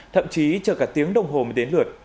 thậm chí chờ cả tiếng đồng hồ mới đến lượt